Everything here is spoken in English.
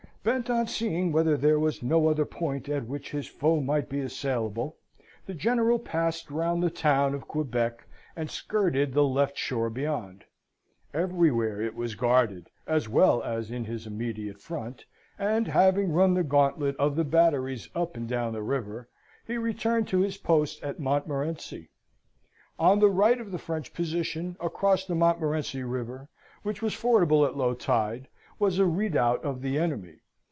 Bent on seeing whether there was no other point at which his foe might be assailable, the General passed round the town of Quebec and skirted the left shore beyond. Everywhere it was guarded, as well as in his immediate front, and having run the gauntlet of the batteries up and down the river, he returned to his post at Montmorenci. On the right of the French position, across the Montmorenci River, which was fordable at low tide, was a redoubt of the enemy.